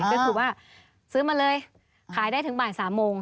ก็คือว่าซื้อมาเลยขายได้ถึงบ่าย๓โมง